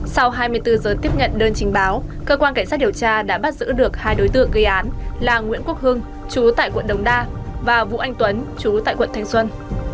sau hai mươi bốn giờ tiếp nhận đơn trình báo cơ quan cảnh sát điều tra đã bắt giữ được hai đối tượng gây án là nguyễn quốc hưng chú tại quận đồng đa và vũ anh tuấn chú tại quận thanh xuân